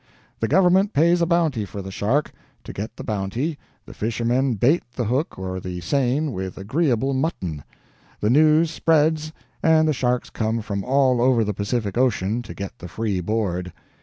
The government pays a bounty for the shark; to get the bounty the fishermen bait the hook or the seine with agreeable mutton; the news spreads and the sharks come from all over the Pacific Ocean to get the free board.